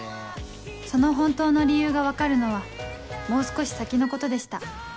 その本当の理由が分かるのはもう少し先のことでした